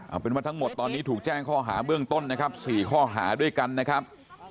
เอาเป็นว่าทั้งหมดตอนนี้ถูกแจ้งข้อหาเบื้องต้นนะครับ๔ข้อหาด้วยกันนะครับ